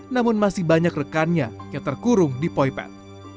namun masih banyak rekannya yang terkurung di poipet